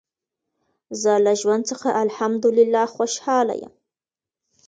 زه له ژوند څخه الحمدلله خوشحاله یم.